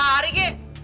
dua hari tiga hari kek